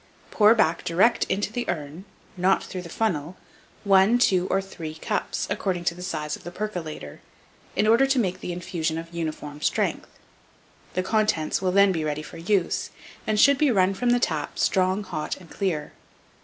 Pour back direct into the urn, not through the funnel, one, two, or three cups, according to the size of the percolater, in order to make the infusion of uniform strength; the contents will then be ready for use, and should run from the tap strong, hot, and clear.